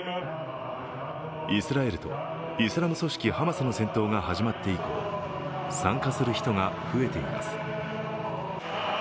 イスラエルとイスラム組織ハマスの戦闘が始まって以降、参加する人が増えています。